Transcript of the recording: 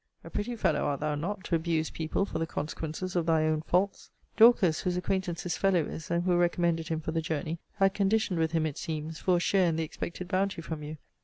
A pretty fellow, art thou not, to abuse people for the consequences of thy own faults? Dorcas, whose acquaintance this fellow is, and who recommended him for the journey, had conditioned with him, it seems, for a share in the expected bounty from you.